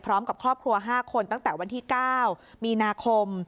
พร้อมกับครอบครัว๕คนตั้งแต่วันที่๙มีนาคม